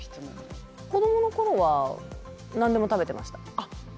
子どものころ何でも食べていました。